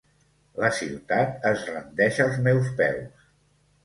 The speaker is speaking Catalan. La ciutat es rendeix als meus peus.